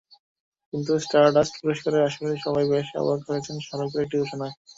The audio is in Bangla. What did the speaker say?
কিন্তু স্টারডাস্ট পুরস্কারের আসরে সবাই বেশ অবাকই হয়েছেন শাহরুখের একটি ঘোষণায়।